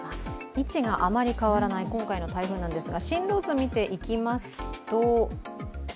位置があまり変わらない今回の台風なんですが進路図見ていきますと